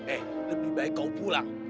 eh lebih baik kau pulang